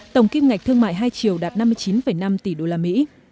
tổng kiếp ngạch thương mại hai triệu đạt năm mươi chín năm tỷ usd